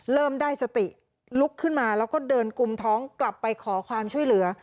เริ่มได้สติลุกขึ้นมาแล้วก็เดินกุมท้องกลับไปขอความช่วยเหลือ